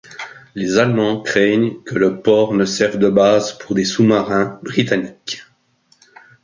Les Allemands craignent que le port ne serve de base pour des sous-marins britanniques.